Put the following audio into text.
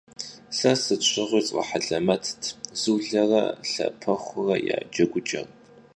Se sıt şığui sf'ehelemett Zulere Lhapexure ya ceguç'er.